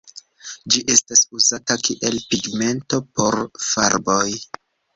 Ĝi estas uzata kiel pigmento por farboj.